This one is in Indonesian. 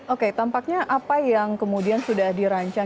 oke tampaknya apa yang kemudian sudah dirancang